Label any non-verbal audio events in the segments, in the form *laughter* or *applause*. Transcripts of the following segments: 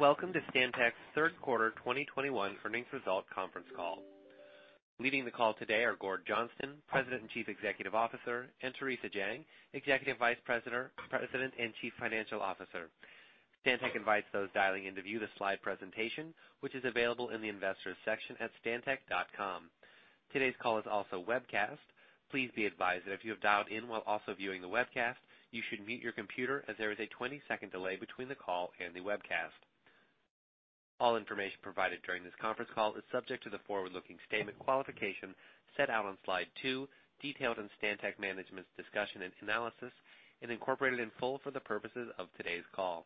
Welcome to Stantec's third quarter 2021 earnings results conference call. Leading the call today are Gord Johnston, President and Chief Executive Officer, and Theresa Jang, Executive Vice President and Chief Financial Officer. Stantec invites those dialing in to view the slide presentation, which is available in the Investors section at stantec.com. Today's call is also webcast. Please be advised that if you have dialed in while also viewing the webcast, you should mute your computer as there is a 20-second delay between the call and the webcast. All information provided during this conference call is subject to the forward-looking statement qualification set out on slide two, detailed in Stantec management's discussion and analysis, and incorporated in full for the purposes of today's call.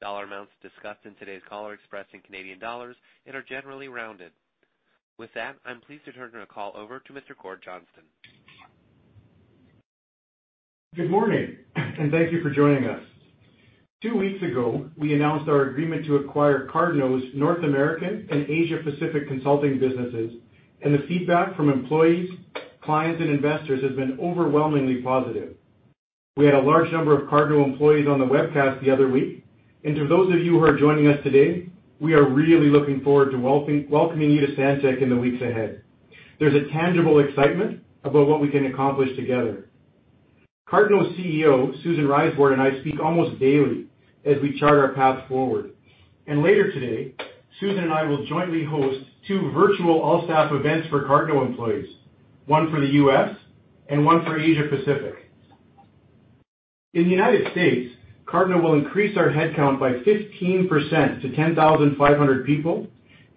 Dollar amounts discussed in today's call are expressed in Canadian dollars and are generally rounded. With that, I'm pleased to turn the call over to Mr. Gord Johnston. Good morning, and thank you for joining us. Two weeks ago, we announced our agreement to acquire Cardno's North American and Asia-Pacific consulting businesses, and the feedback from employees, clients, and investors has been overwhelmingly positive. We had a large number of Cardno employees on the webcast the other week, and to those of you who are joining us today, we are really looking forward to welcoming you to Stantec in the weeks ahead. There's a tangible excitement about what we can accomplish together. Cardno's CEO, Susan Reisbord, and I speak almost daily as we chart our path forward. Later today, Susan and I will jointly host two virtual all-staff events for Cardno employees, one for the U.S. and one for Asia-Pacific. In the United States, Cardno will increase our headcount by 15% to 10,500 people,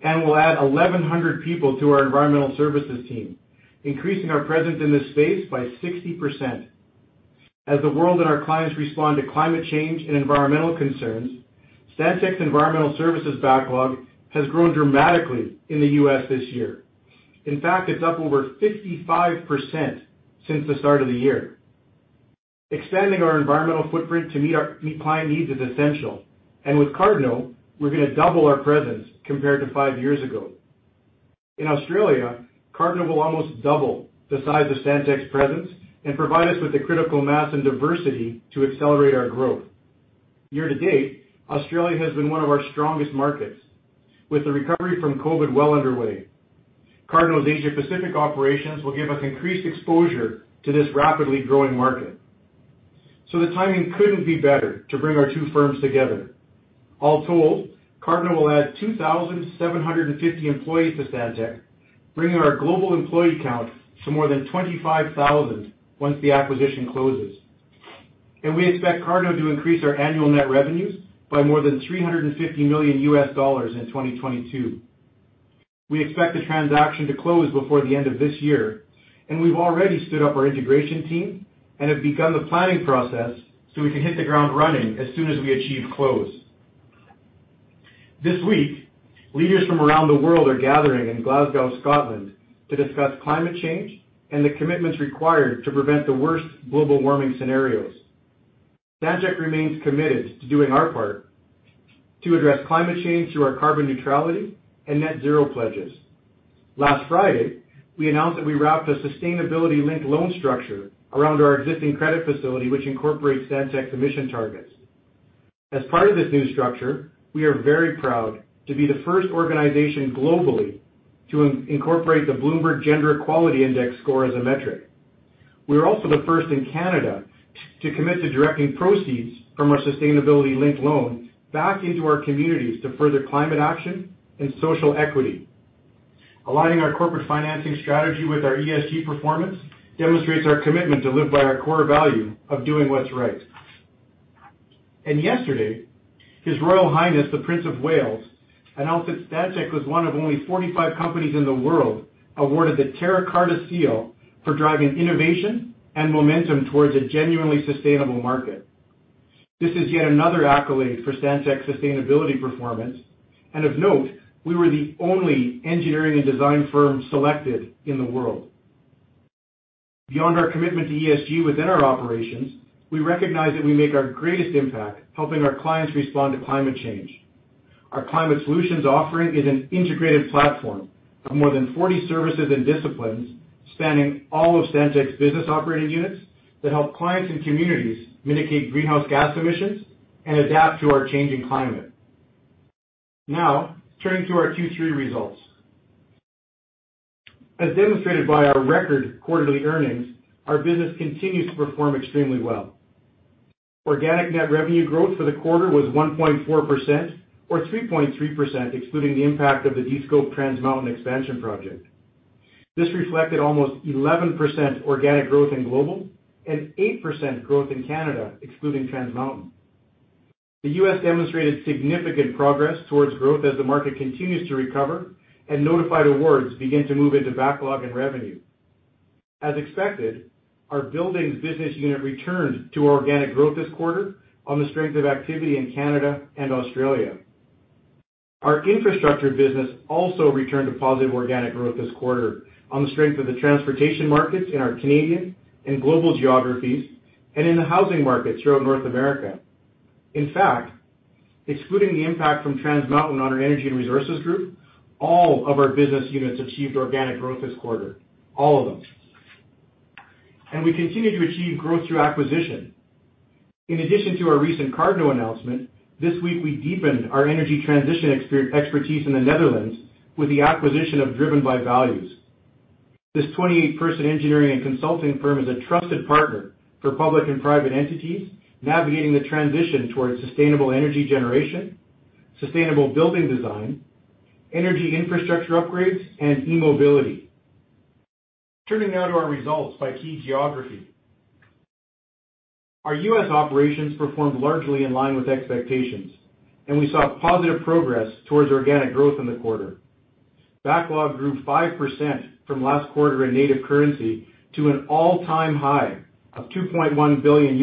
and we'll add 1,100 people to our environmental services team, increasing our presence in this space by 60%. As the world and our clients respond to climate change and environmental concerns, Stantec's environmental services backlog has grown dramatically in the U.S. this year. In fact, it's up over 55% since the start of the year. Expanding our environmental footprint to meet client needs is essential. With Cardno, we're gonna double our presence compared to five years ago. In Australia, Cardno will almost double the size of Stantec's presence and provide us with the critical mass and diversity to accelerate our growth. Year to date, Australia has been one of our strongest markets, with the recovery from COVID well underway. Cardno's Asia-Pacific operations will give us increased exposure to this rapidly growing market. The timing couldn't be better to bring our two firms together. All told, Cardno will add 2,750 employees to Stantec, bringing our global employee count to more than 25,000 once the acquisition closes. We expect Cardno to increase our annual net revenues by more than $350 million in 2022. We expect the transaction to close before the end of this year, and we've already stood up our integration team and have begun the planning process so we can hit the ground running as soon as we achieve close. This week, leaders from around the world are gathering in Glasgow, Scotland, to discuss climate change and the commitments required to prevent the worst global warming scenarios. Stantec remains committed to doing our part to address climate change through our carbon neutrality and net zero pledges. Last Friday, we announced that we wrapped a sustainability-linked loan structure around our existing credit facility, which incorporates Stantec's emission targets. As part of this new structure, we are very proud to be the first organization globally to incorporate the Bloomberg Gender-Equality Index score as a metric. We are also the first in Canada to commit to directing proceeds from our sustainability-linked loan back into our communities to further climate action and social equity. Aligning our corporate financing strategy with our ESG performance demonstrates our commitment to live by our core value of doing what's right. Yesterday, His Royal Highness, the Prince of Wales, announced that Stantec was one of only 45 companies in the world awarded the Terra Carta Seal for driving innovation and momentum towards a genuinely sustainable market. This is yet another accolade for Stantec's sustainability performance, and of note, we were the only engineering and design firm selected in the world. Beyond our commitment to ESG within our operations, we recognize that we make our greatest impact helping our clients respond to climate change. Our climate solutions offering is an integrated platform of more than 40 services and disciplines spanning all of Stantec's business operating units that help clients and communities mitigate greenhouse gas emissions and adapt to our changing climate. Now, turning to our Q3 results. As demonstrated by our record quarterly earnings, our business continues to perform extremely well. Organic net revenue growth for the quarter was 1.4% or 3.3% excluding the impact of the de-scope Trans Mountain expansion project. This reflected almost 11% organic growth in global and 8% growth in Canada, excluding Trans Mountain. The U.S. demonstrated significant progress towards growth as the market continues to recover and notified awards begin to move into backlog and revenue. As expected, our Buildings business unit returned to organic growth this quarter on the strength of activity in Canada and Australia. Our Infrastructure business also returned to positive organic growth this quarter on the strength of the transportation markets in our Canadian and global geographies and in the housing markets throughout North America. In fact, excluding the impact from Trans Mountain on our energy and resources group, all of our business units achieved organic growth this quarter, all of them. We continue to achieve growth through acquisition. In addition to our recent Cardno announcement, this week we deepened our energy transition expertise in the Netherlands with the acquisition of Driven by Values. This 28-person engineering and consulting firm is a trusted partner for public and private entities navigating the transition towards sustainable energy generation, sustainable building design, energy infrastructure upgrades, and e-mobility. Turning now to our results by key geography. Our U.S. operations performed largely in line with expectations, and we saw positive progress towards organic growth in the quarter. Backlog grew 5% from last quarter in native currency to an all-time high of $2.1 billion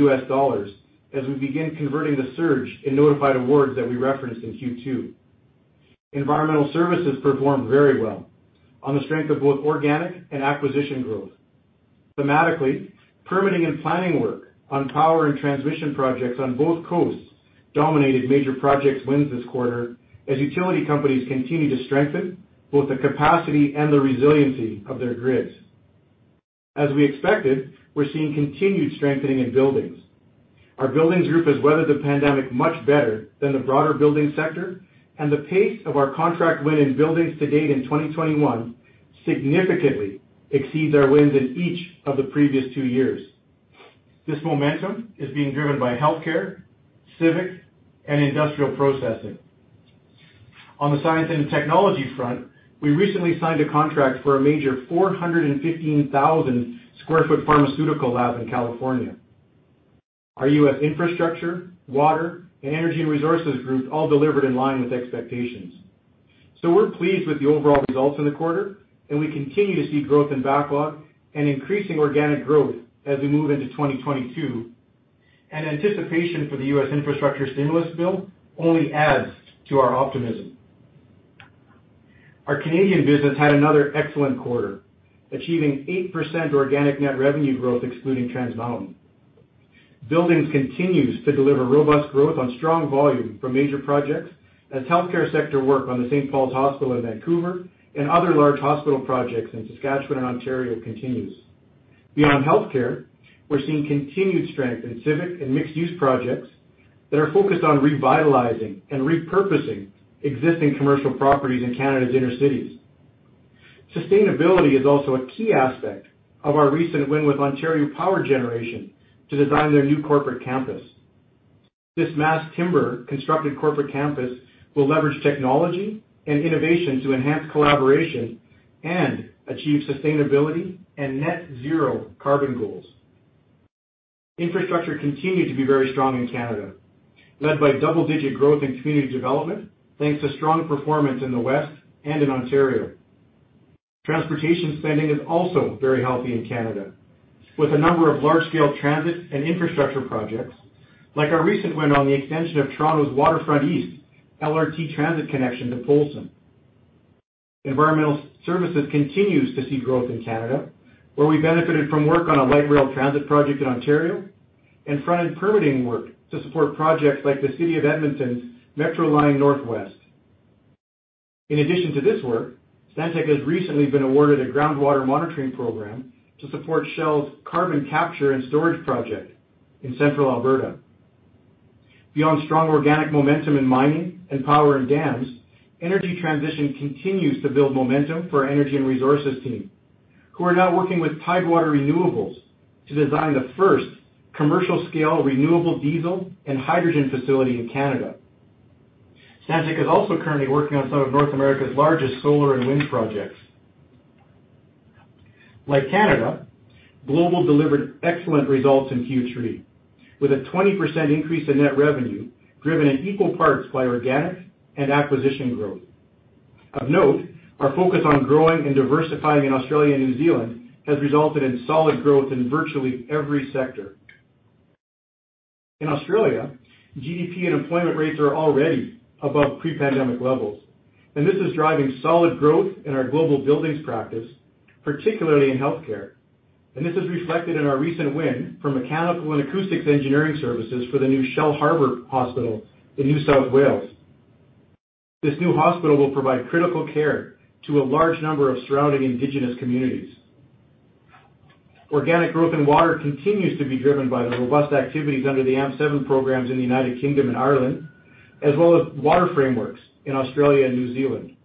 as we begin converting the surge in notified awards that we referenced in Q2. Environmental Services performed very well on the strength of both organic and acquisition growth. Thematically, permitting and planning work on power and transmission projects on both coasts dominated Major Projects wins this quarter as utility companies continue to strengthen both the capacity and the resiliency of their grids. As we expected, we're seeing continued strengthening in Buildings. Our Buildings group has weathered the pandemic much better than the broader building sector, and the pace of our contract win in Buildings to date in 2021 significantly exceeds our wins in each of the previous two years. This momentum is being driven by healthcare, civic, and industrial processing. On the science and technology front, we recently signed a contract for a major 415,000 sq ft pharmaceutical lab in California. Our U.S. infrastructure, water, and energy resources groups all delivered in line with expectations. We're pleased with the overall results in the quarter, and we continue to see growth in backlog and increasing organic growth as we move into 2022. Anticipation for the U.S. infrastructure stimulus bill only adds to our optimism. Our Canadian business had another excellent quarter, achieving 8% organic net revenue growth excluding Trans Mountain. Buildings continues to deliver robust growth on strong volume for major projects as healthcare sector work on the St. Paul's Hospital in Vancouver and other large hospital projects in Saskatchewan and Ontario continues. Beyond healthcare, we're seeing continued strength in civic and mixed-use projects that are focused on revitalizing and repurposing existing commercial properties in Canada's inner cities. Sustainability is also a key aspect of our recent win with Ontario Power Generation to design their new corporate campus. This mass timber constructed corporate campus will leverage technology and innovation to enhance collaboration and achieve sustainability and net zero carbon goals. Infrastructure continued to be very strong in Canada, led by double-digit growth in community development, thanks to strong performance in the West and in Ontario. Transportation spending is also very healthy in Canada, with a number of large-scale transit and infrastructure projects, like our recent win on the extension of Toronto's Waterfront East LRT transit connection to Polson. Environmental Services continues to see growth in Canada, where we benefited from work on a light rail transit project in Ontario and front-end permitting work to support projects like the City of Edmonton's Metro line Northwest. In addition to this work, Stantec has recently been awarded a groundwater monitoring program to support Shell's carbon capture and storage project in central Alberta. Beyond strong organic momentum in mining and power and dams, energy transition continues to build momentum for our energy and resources team, who are now working with Tidewater Renewables to design the first commercial-scale renewable diesel and hydrogen facility in Canada. Stantec is also currently working on some of North America's largest solar and wind projects. Like Canada, Global delivered excellent results in Q3, with a 20% increase in net revenue, driven in equal parts by organic and acquisition growth. Of note, our focus on growing and diversifying in Australia and New Zealand has resulted in solid growth in virtually every sector. In Australia, GDP and employment rates are already above pre-pandemic levels, and this is driving solid growth in our global buildings practice, particularly in healthcare. This is reflected in our recent win for mechanical and acoustics engineering services for the new Shellharbour Hospital in New South Wales. This new hospital will provide critical care to a large number of surrounding indigenous communities. Organic growth in water continues to be driven by the robust activities under the AMP7 programs in the United Kingdom and Ireland, as well as water frameworks in Australia and New Zealand.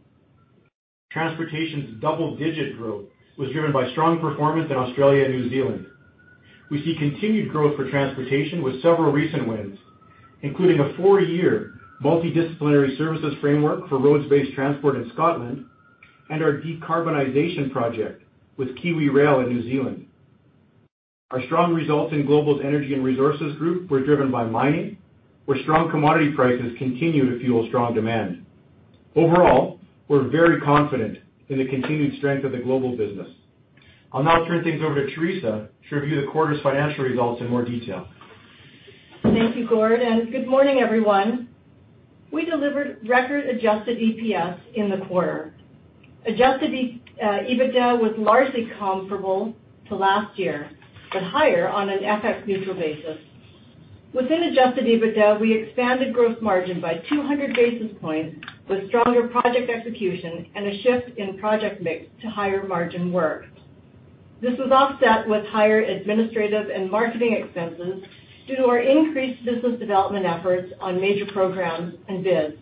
Transportation's double-digit growth was driven by strong performance in Australia and New Zealand. We see continued growth for transportation with several recent wins, including a four-year multidisciplinary services framework for roads-based transport in Scotland and our decarbonization project with KiwiRail in New Zealand. Our strong results in Global's Energy and Resources group were driven by mining, where strong commodity prices continue to fuel strong demand. Overall, we're very confident in the continued strength of the global business. I'll now turn things over to Theresa to review the quarter's financial results in more detail. Thank you, Gord, and good morning, everyone. We delivered record adjusted EPS in the quarter. Adjusted EBITDA was largely comparable to last year, but higher on an FX neutral basis. Within adjusted EBITDA, we expanded gross margin by 200 basis points with stronger project execution and a shift in project mix to higher margin work. This was offset with higher administrative and marketing expenses due to our increased business development efforts on major programs and bids.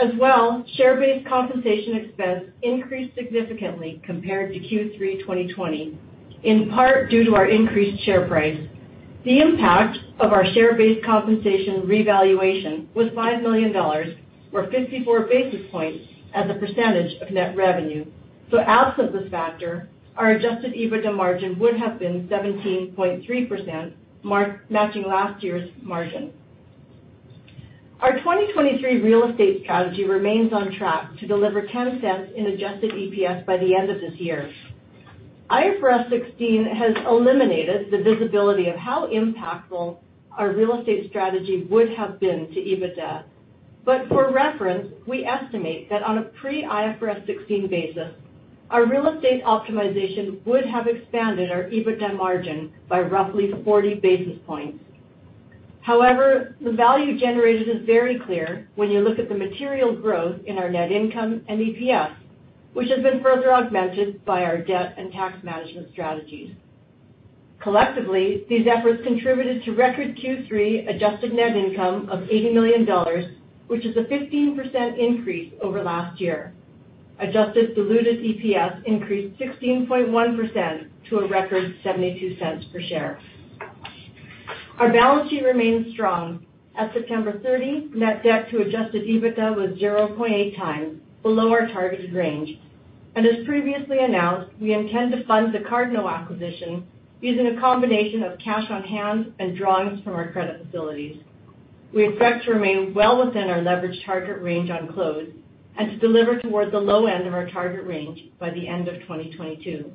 As well, share-based compensation expense increased significantly compared to Q3 2020, in part due to our increased share price. The impact of our share-based compensation revaluation was 5 million dollars or 54 basis points as a percentage of net revenue. Absent this factor, our adjusted EBITDA margin would have been 17.3% matching last year's margin. Our 2023 real estate strategy remains on track to deliver 0.10 in adjusted EPS by the end of this year. IFRS 16 has eliminated the visibility of how impactful our real estate strategy would have been to EBITDA. For reference, we estimate that on a pre-IFRS 16 basis, our real estate optimization would have expanded our EBITDA margin by roughly 40 basis points. However, the value generated is very clear when you look at the material growth in our net income and EPS, which has been further augmented by our debt and tax management strategies. Collectively, these efforts contributed to record Q3 adjusted net income of 80 million dollars, which is a 15% increase over last year. Adjusted diluted EPS increased 16.1% to a record 0.72 per share. Our balance sheet remains strong. At September 30, net debt to adjusted EBITDA was 0.8x below our targeted range. As previously announced, we intend to fund the Cardno acquisition using a combination of cash on hand and drawings from our credit facilities. We expect to remain well within our leverage target range on close and to deliver towards the low end of our target range by the end of 2022.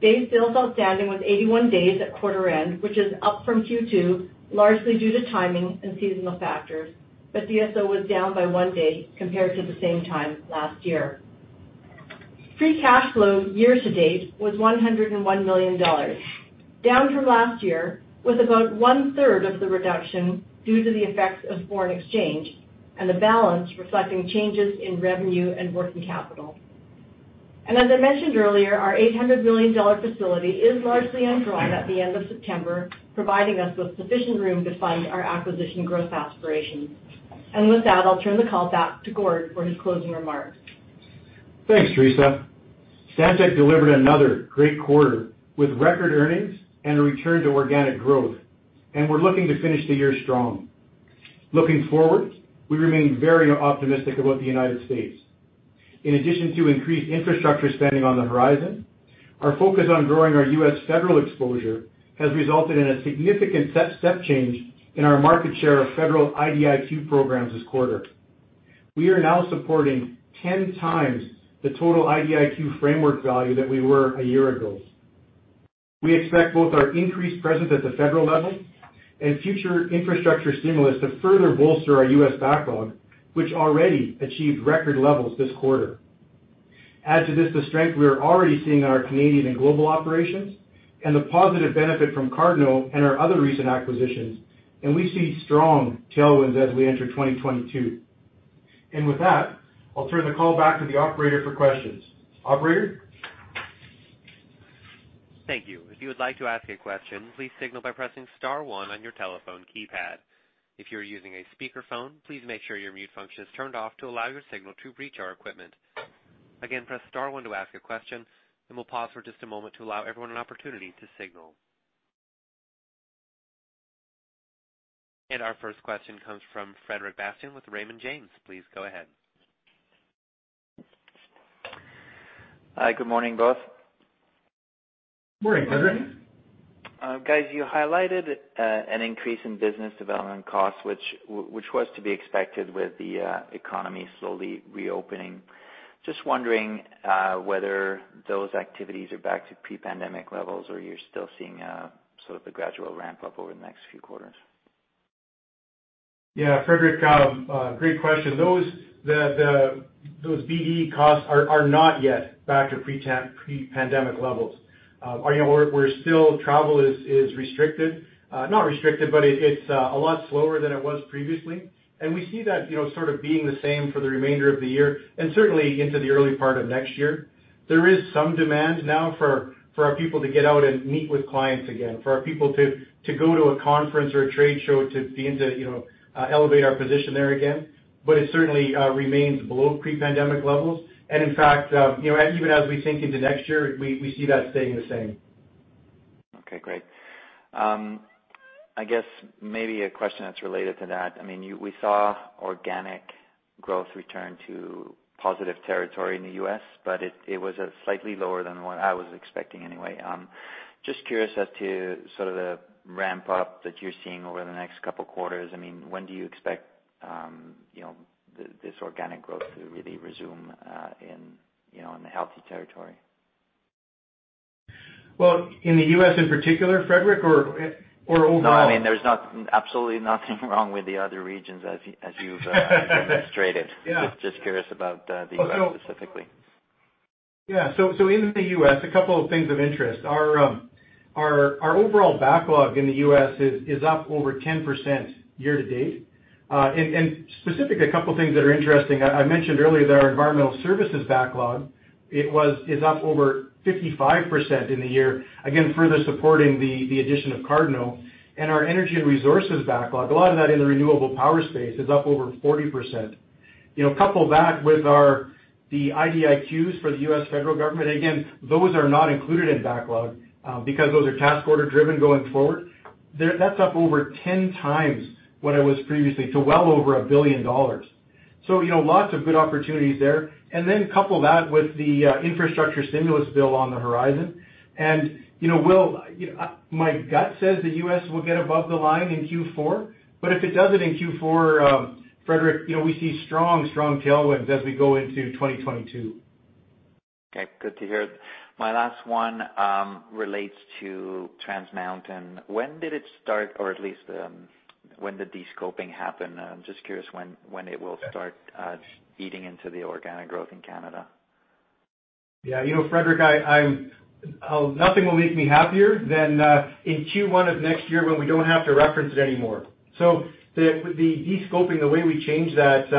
Days sales outstanding was 81 days at quarter end, which is up from Q2, largely due to timing and seasonal factors, but DSO was down by one day compared to the same time last year. Free cash flow year to date was 101 million dollars, down from last year with about one-third of the reduction due to the effects of foreign exchange and the balance reflecting changes in revenue and working capital. As I mentioned earlier, our 800 million dollar facility is largely undrawn at the end of September, providing us with sufficient room to fund our acquisition growth aspirations. With that, I'll turn the call back to Gord for his closing remarks. Thanks, Theresa. Stantec delivered another great quarter with record earnings and a return to organic growth, and we're looking to finish the year strong. Looking forward, we remain very optimistic about the United States. In addition to increased infrastructure spending on the horizon, our focus on growing our U.S. federal exposure has resulted in a significant step change in our market share of federal IDIQ programs this quarter. We are now supporting 10 times the total IDIQ framework value that we were a year ago. We expect both our increased presence at the federal level and future infrastructure stimulus to further bolster our U.S. backlog, which already achieved record levels this quarter. Add to this the strength we are already seeing in our Canadian and global operations and the positive benefit from Cardno and our other recent acquisitions, and we see strong tailwinds as we enter 2022. With that, I'll turn the call back to the operator for questions. Operator? Thank you. If you would like to ask a question, please signal by pressing star one on your telephone keypad. If you're using a speakerphone, please make sure your mute function is turned off to allow your signal to reach our equipment. Again, press star one to ask a question, and we'll pause for just a moment to allow everyone an opportunity to signal. Our first question comes from Frederic Bastien with Raymond James. Please go ahead. Hi, good morning, both. Morning, Frederic. Guys, you highlighted an increase in business development costs, which was to be expected with the economy slowly reopening. Just wondering whether those activities are back to pre-pandemic levels, or you're still seeing sort of a gradual ramp up over the next few quarters. Yeah, Frederic, great question. Those BD costs are not yet back to pre-pandemic levels. You know, we're still travel is restricted, not restricted, but it's a lot slower than it was previously. We see that, you know, sort of being the same for the remainder of the year and certainly into the early part of next year. There is some demand now for our people to get out and meet with clients again, for our people to go to a conference or a trade show to be in to, you know, elevate our position there again. But it certainly remains below pre-pandemic levels. In fact, you know, even as we think into next year, we see that staying the same. Okay, great. I guess maybe a question that's related to that. I mean, we saw organic growth return to positive territory in the U.S., but it was slightly lower than what I was expecting anyway. Just curious as to sort of the ramp up that you're seeing over the next couple quarters. I mean, when do you expect you know this organic growth to really resume in you know in a healthy territory? Well, in the U.S. in particular, Frederic, or overall? No, I mean, there's absolutely nothing wrong with the other regions as you, as you've illustrated. Yeah. Just curious about the U.S. specifically. Yeah. In the U.S., a couple of things of interest. Our overall backlog in the U.S. is up over 10% year to date. Specific, a couple things that are interesting. I mentioned earlier that our environmental services backlog is up over 55% in the year, again, further supporting the addition of Cardno and our energy and resources backlog. A lot of that in the renewable power space is up over 40%. You know, couple that with the IDIQs for the U.S. federal government. Again, those are not included in backlog because those are task order driven going forward. That's up over 10 times what it was previously to well over $1 billion. You know, lots of good opportunities there. Couple that with the infrastructure stimulus bill on the horizon and, you know, my gut says the U.S. will get above the line in Q4, but if it doesn't in Q4, Frederic, you know, we see strong tailwinds as we go into 2022. Okay. Good to hear. My last one relates to Trans Mountain. When did it start or at least, when the descoping happen? I'm just curious when it will start eating into the organic growth in Canada. Yeah, you know, Frederic, nothing will make me happier than in Q1 of next year when we don't have to reference it anymore. The descoping, the way we change that,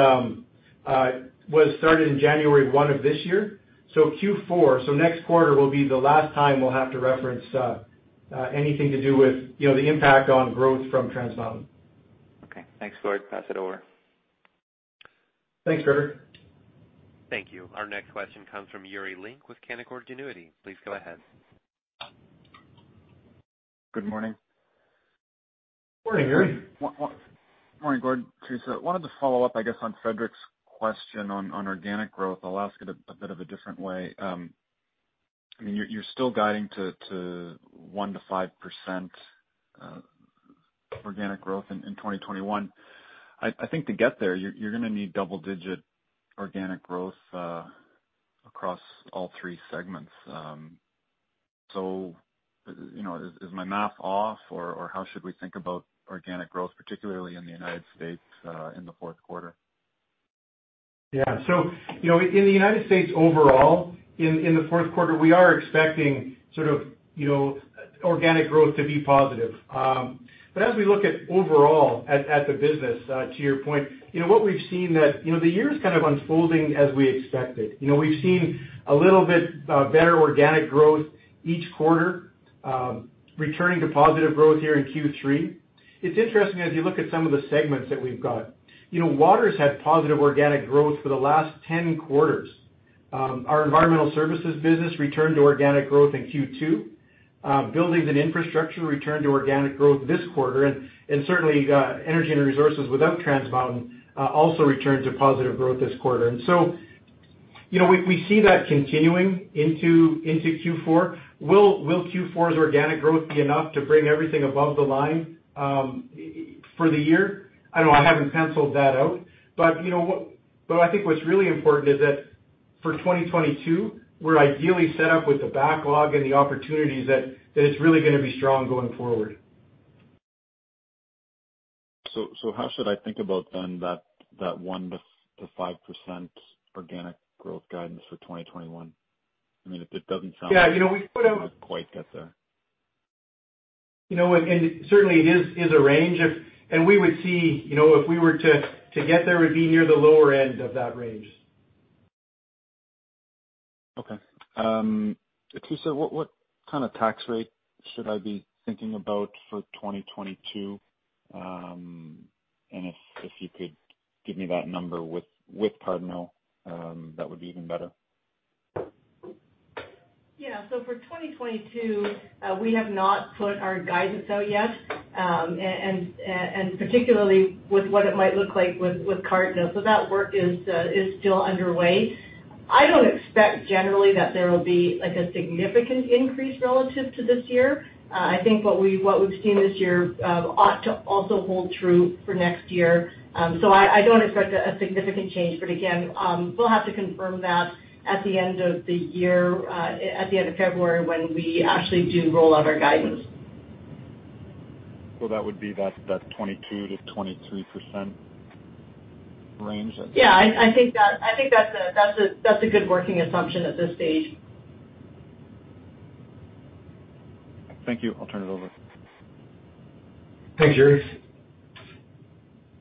was started in January 1 of this year. Q4, next quarter will be the last time we'll have to reference anything to do with, you know, the impact on growth from Trans Mountain. Okay. Thanks, Gord. Pass it over. Thanks, Frederic. Thank you. Our next question comes from Yuri Lynk with Canaccord Genuity. Please go ahead. Good morning. Morning, Yuri. Good morning, Gordon. I wanted to follow up, I guess, on Frederic's question on organic growth. I'll ask it a bit of a different way. I mean, you're still guiding to 1%-5% organic growth in 2021. I think to get there, you're gonna need double-digit organic growth across all three segments. You know, is my math off or how should we think about organic growth, particularly in the United States, in the fourth quarter? Yeah. You know, in the United States overall, in the fourth quarter, we are expecting sort of, you know, organic growth to be positive. But as we look at overall at the business, to your point, you know, what we've seen that, you know, the year is kind of unfolding as we expected. You know, we've seen a little bit, better organic growth each quarter, returning to positive growth here in Q3. It's interesting as you look at some of the segments that we've got. You know, Water's had positive organic growth for the last 10 quarters. Our Environmental Services business returned to organic growth in Q2. Buildings and Infrastructure returned to organic growth this quarter. And certainly, Energy and Resources without Trans Mountain also returned to positive growth this quarter. You know, we see that continuing into Q4. Will Q4's organic growth be enough to bring everything above the line for the year? I don't know, I haven't penciled that out. But I think what's really important is that for 2022, we're ideally set up with the backlog and the opportunities that it's really gonna be strong going forward. How should I think about then that 1%-5% organic growth guidance for 2021? I mean, it doesn't sound- Yeah. You know, we put out. Like it quite gets there. You know, and certainly it is a range. You know, if we were to get there, it would be near the lower end of that range. Okay. Theresa, what kind of tax rate should I be thinking about for 2022? If you could give me that number with Cardno, that would be even better. Yeah. For 2022, we have not put our guidance out yet, and particularly with what it might look like with Cardno. That work is still underway. I don't expect generally that there will be like a significant increase relative to this year. I think what we've seen this year ought to also hold true for next year. I don't expect a significant change, but again, we'll have to confirm that at the end of the year, at the end of February when we actually do roll out our guidance. that would be that 22%-23% range. Yeah, I think that's a good working assumption at this stage. Thank you. I'll turn it over. Thanks, Yuri.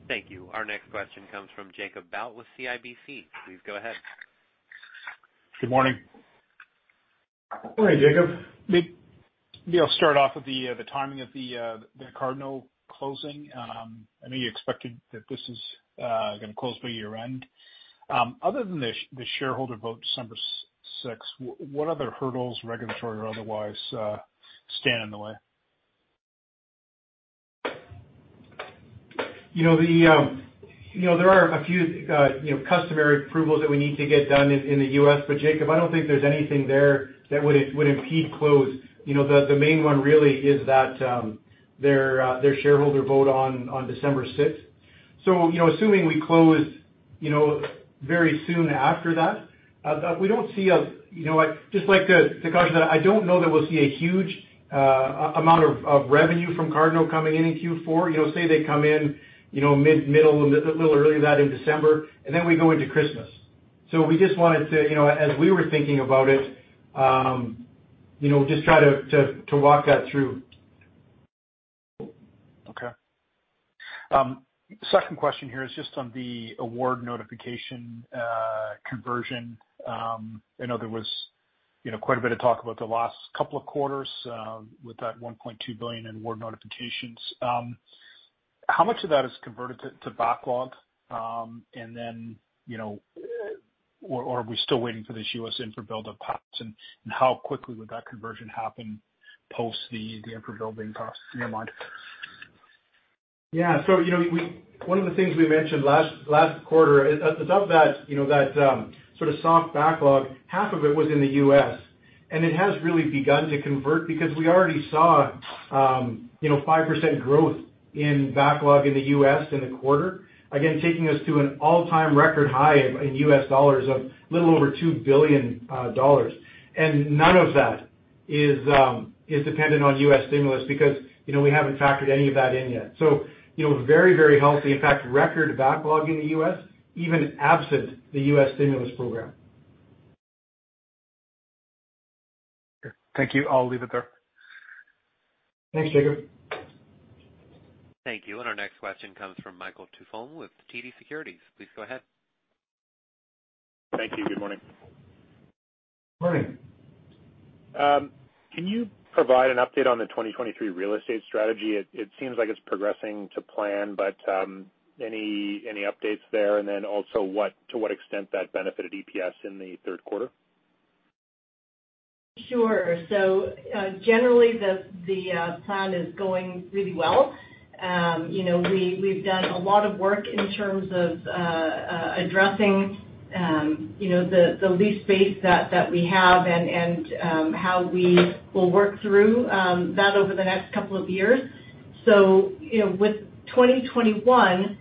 Thank you. Our next question comes from Jacob Bout with CIBC. Please go ahead. Good morning. Morning, Jacob. Maybe I'll start off with the timing of the Cardno closing. I know you expected that this is gonna close by year-end. Other than the shareholder vote December 6, what other hurdles, regulatory or otherwise, stand in the way? You know, you know, there are a few, you know, customary approvals that we need to get done in the U.S. But Jacob, I don't think there's anything there that would impede close. You know, the main one really is that their shareholder vote on December 6. You know, assuming we close very soon after that, just like the caution, I don't know that we'll see a huge amount of revenue from Cardno coming in in Q4. You know, say they come in, you know, mid, a little early that in December, and then we go into Christmas. We just wanted to, you know, as we were thinking about it, you know, just try to walk that through. Okay. Second question here is just on the award notification conversion. I know there was, you know, quite a bit of talk about the last couple of quarters with that 1.2 billion in award notifications. How much of that is converted to backlog? And then, you know, or are we still waiting for this U.S. infrastructure bill to pass, and how quickly would that conversion happen post the infrastructure bill's passage in your mind? Yeah. You know, one of the things we mentioned last quarter is of that, you know, that sort of soft backlog, half of it was in the U.S., and it has really begun to convert because we already saw, you know, 5% growth in backlog in the U.S. in the quarter, again, taking us to an all-time record high of in U.S. dollars a little over $2 billion. None of that is dependent on U.S. stimulus because, you know, we haven't factored any of that in yet. You know, very, very healthy. In fact, record backlog in the U.S., even absent the U.S. stimulus program. Okay. Thank you. I'll leave it there. Thanks, Jacob. Thank you. Our next question comes from Michael Tupholme with TD Securities. Please go ahead. Thank you. Good morning. Morning. Can you provide an update on the 2023 real estate strategy? It seems like it's progressing to plan, but any updates there? Then also, to what extent that benefited EPS in the third quarter? Sure. Generally, the plan is going really well. You know, we've done a lot of work in terms of addressing you know, the lease base that we have and how we will work through that over the next couple of years. You know, with 2021,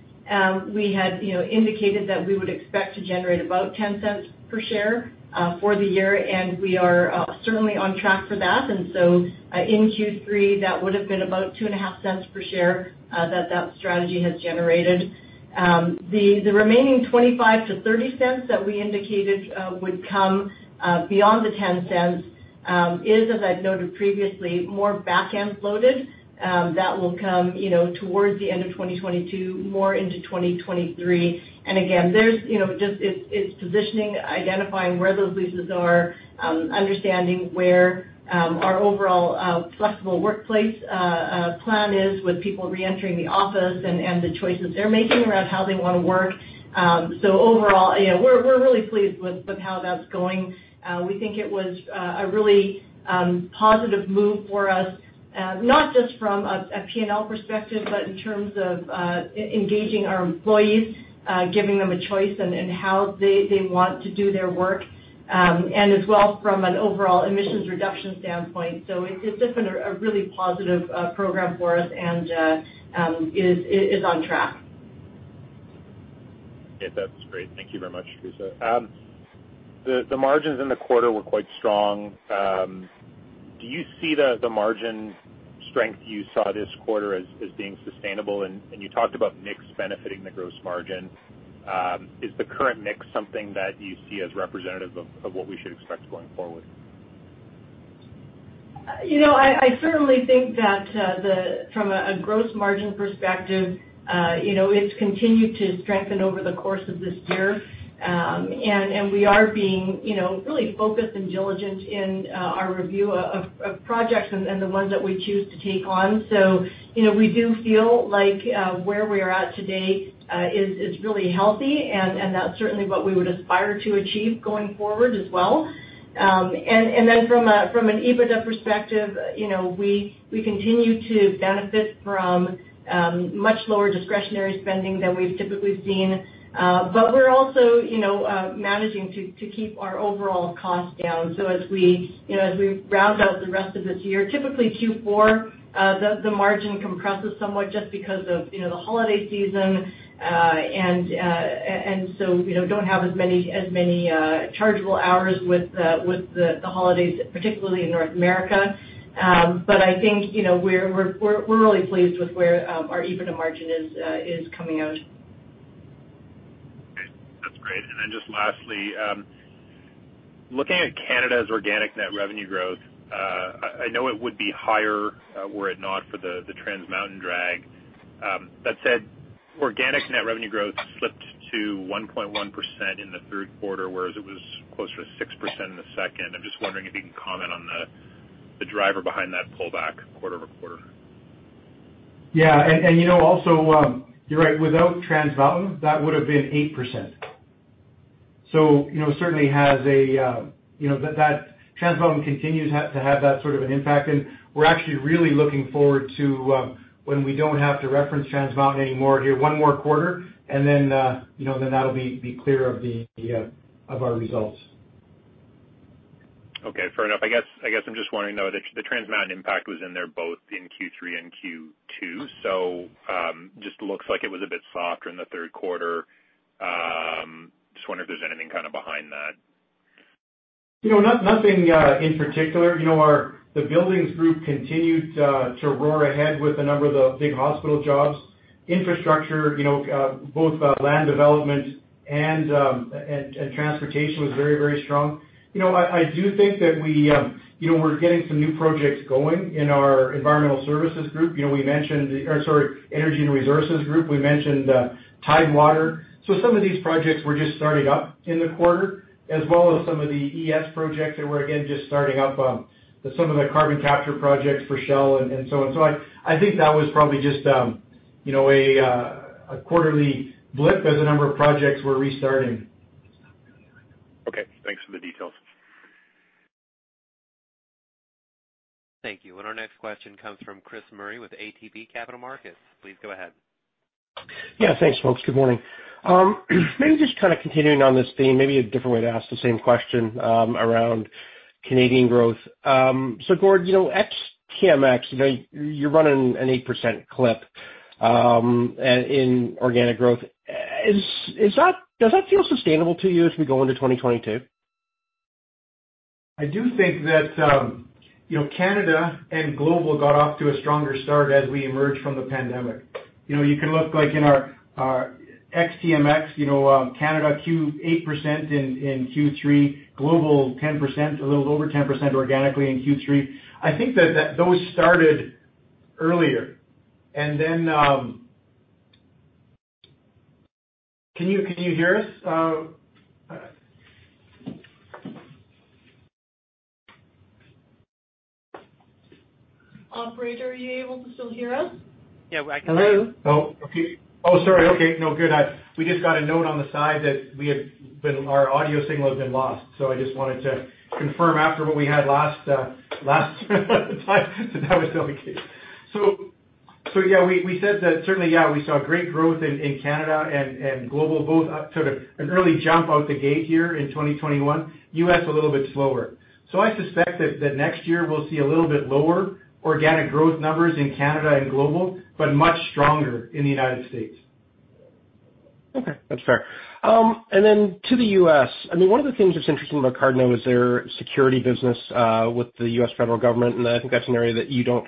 we had you know, indicated that we would expect to generate about 0.10 per share for the year, and we are certainly on track for that. In Q3, that would've been about 0.025 per share that strategy has generated. The remaining 0.25-0.30 that we indicated would come beyond the 0.10 is, as I'd noted previously, more back-end loaded, that will come, you know, towards the end of 2022, more into 2023. Again, there's, you know, just it's positioning, identifying where those leases are, understanding where our overall flexible workplace plan is with people reentering the office and the choices they're making around how they wanna work. Overall, yeah, we're really pleased with how that's going. We think it was a really positive move for us, not just from a P&L perspective, but in terms of engaging our employees, giving them a choice in how they want to do their work, and as well from an overall emissions reduction standpoint. It's just been a really positive program for us and is on track. Yeah. That's great. Thank you very much, Theresa. The margins in the quarter were quite strong. Do you see the margin strength you saw this quarter as being sustainable? You talked about mix benefiting the gross margin. Is the current mix something that you see as representative of what we should expect going forward? I certainly think that from a gross margin perspective, you know, it's continued to strengthen over the course of this year. We are being, you know, really focused and diligent in our review of projects and the ones that we choose to take on. You know, we do feel like where we are at today is really healthy and that's certainly what we would aspire to achieve going forward as well. From an EBITDA perspective, you know, we continue to benefit from much lower discretionary spending than we've typically seen. We're also, you know, managing to keep our overall costs down. As we round out the rest of this year, typically Q4, the margin compresses somewhat just because of the holiday season. You know, don't have as many chargeable hours with the holidays, particularly in North America. But I think, you know, we're really pleased with where our EBITDA margin is coming out. Okay. That's great. Just lastly, looking at Canada's organic net revenue growth, I know it would be higher were it not for the Trans Mountain drag. That said, organic net revenue growth slipped to 1.1% in the third quarter, whereas it was closer to 6% in the second. I'm just wondering if you can comment on the driver behind that pullback quarter-over-quarter. Yeah. You know, also, you're right, without Trans Mountain, that would've been 8%. You know, certainly has an impact. That Trans Mountain continues to have that sort of an impact. We're actually really looking forward to when we don't have to reference Trans Mountain anymore here. One more quarter and then you know, then that'll be clear of the impact of our results. Okay. Fair enough. I guess I'm just wondering, though, the Trans Mountain impact was in there both in Q3 and Q2. Just looks like it was a bit softer in the third quarter. Just wondering if there's anything kinda behind that. You know, nothing in particular. You know, our Buildings group continued to roar ahead with a number of the big hospital jobs. Infrastructure, you know, both land development and transportation was very strong. You know, I do think that we, you know, we're getting some new projects going in our Environmental Services group. You know, we mentioned, or sorry, Energy and Resources group. We mentioned Tidewater. So some of these projects were just starting up in the quarter, as well as some of the ES projects that were again just starting up, some of the carbon capture projects for Shell and so on. I think that was probably just, you know, a quarterly blip as a number of projects were restarting. Okay. Thanks for the details. Thank you. Our next question comes from Chris Murray with ATB Capital Markets. Please go ahead. Yeah, thanks, folks. Good morning. Maybe just kind of continuing on this theme, maybe a different way to ask the same question, around Canadian growth. So Gord, you know, ex TMX, you know, you're running an 8% clip in organic growth. Does that feel sustainable to you as we go into 2022? I do think that, you know, Canada and Global got off to a stronger start as we emerged from the pandemic. You know, you can look like in our ex-TMX, you know, Canada 8% in Q3, Global 10%, a little over 10% organically in Q3. I think that those started earlier. Can you hear us? Operator, are you able to still hear us? Yeah, I can. Hello? Oh, okay. Oh, sorry. Okay. No, good. We just got a note on the side that our audio signal had been lost, so I just wanted to confirm after what we had last time that that was still the case. Yeah, we said that certainly, we saw great growth in Canada and global both, sort of an early jump out the gate here in 2021. U.S. a little bit slower. I suspect that next year we'll see a little bit lower organic growth numbers in Canada and global, but much stronger in the United States. Okay. That's fair. To the U.S., I mean, one of the things that's interesting about Cardno is their security business with the U.S. federal government, and I think that's an area that you don't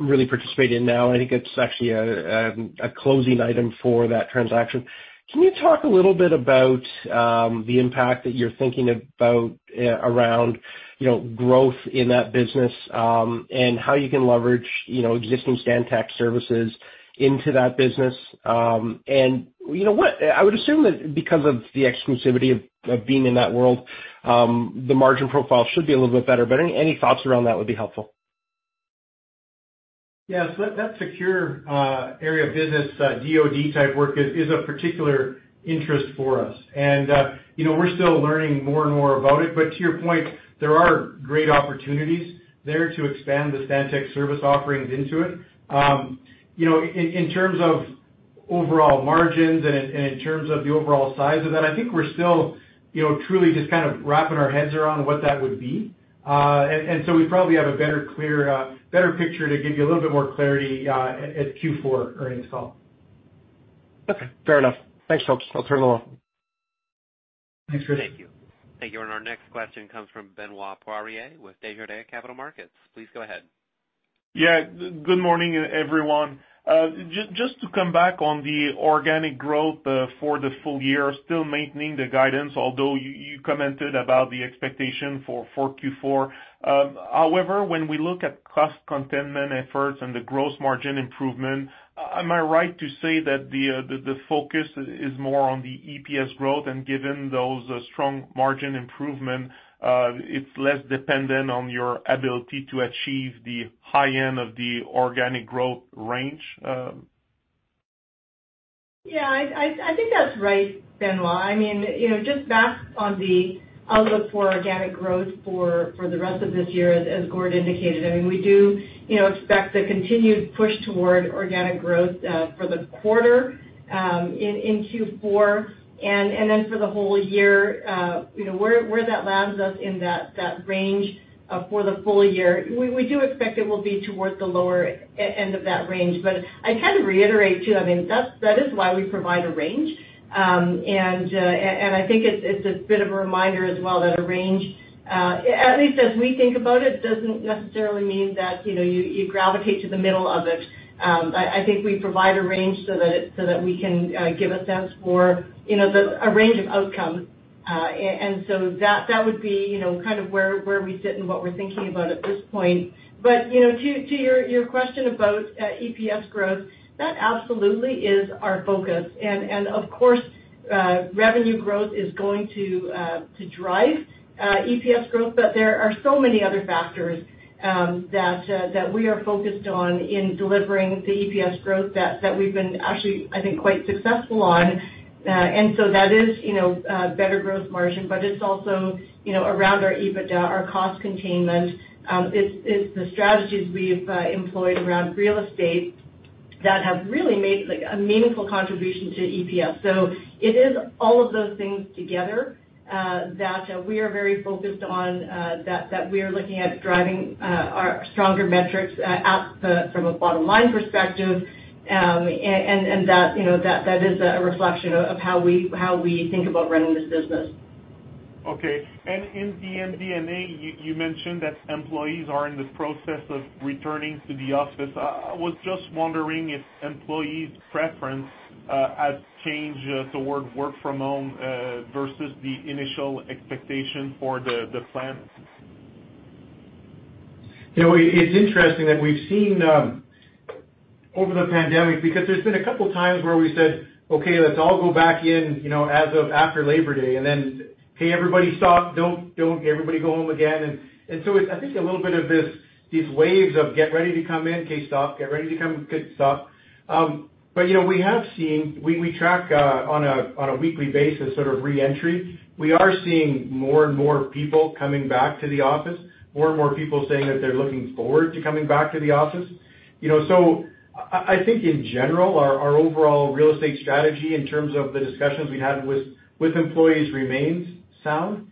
really participate in now. I think it's actually a closing item for that transaction. Can you talk a little bit about the impact that you're thinking about around, you know, growth in that business, and how you can leverage, you know, existing Stantec services into that business? You know what? I would assume that because of the exclusivity of being in that world, the margin profile should be a little bit better, but any thoughts around that would be helpful. That secure area of business, DOD type work is of particular interest for us. We're still learning more and more about it. To your point, there are great opportunities there to expand the Stantec service offerings into it. In terms of overall margins and in terms of the overall size of it, I think we're still truly just kind of wrapping our heads around what that would be. We probably have a better picture to give you a little bit more clarity at Q4 earnings call. Okay. Fair enough. Thanks, folks. I'll turn it off. Thanks, Chris. Thank you. Thank you. Our next question comes from Benoit Poirier with Desjardins Capital Markets. Please go ahead. Yeah. Good morning, everyone. Just to come back on the organic growth for the full year, still maintaining the guidance, although you commented about the expectation for Q4. However, when we look at cost containment efforts and the gross margin improvement, am I right to say that the focus is more on the EPS growth, and given those strong margin improvement, it's less dependent on your ability to achieve the high end of the organic growth range? Yeah. I think that's right, Benoit. I mean, you know, just back on the outlook for organic growth for the rest of this year, as Gord indicated, I mean, we do, you know, expect a continued push toward organic growth for the quarter in Q4 and then for the whole year. You know, where that lands us in that range for the full year, we do expect it will be towards the lower end of that range. But I'd kind of reiterate, too, I mean, that is why we provide a range. And I think it's a bit of a reminder as well that a range, at least as we think about it, doesn't necessarily mean that, you know, you gravitate to the middle of it. I think we provide a range so that we can give a sense for, you know, a range of outcomes. And so that would be, you know, kind of where we sit and what we're thinking about at this point. To your question about EPS growth, that absolutely is our focus. Of course, revenue growth is going to drive EPS growth. There are so many other factors that we are focused on in delivering the EPS growth that we've been actually, I think, quite successful on. That is, you know, better growth margin, but it's also, you know, around our EBITDA, our cost containment. It's the strategies we've employed around real estate that have really made, like, a meaningful contribution to EPS. It is all of those things together that we are very focused on, that we are looking at driving our stronger metrics from a bottom-line perspective, and that, you know, that is a reflection of how we think about running this business. Okay. In the MD&A, you mentioned that employees are in the process of returning to the office. I was just wondering if employees' preference has changed toward work from home versus the initial expectation for the plan? You know, it's interesting that we've seen over the pandemic because there's been a couple times where we said, "Okay, let's all go back in, you know, as of after Labor Day." And then, "Hey, everybody, stop. Don't. Everybody go home again." And so it's, I think, a little bit of this, these waves of get ready to come in. Okay, stop. Get ready to come. Okay, stop. But you know, we have seen. We track on a weekly basis, sort of re-entry. We are seeing more and more people coming back to the office, more and more people saying that they're looking forward to coming back to the office. You know, so I think in general, our overall real estate strategy in terms of the discussions we had with employees remains sound.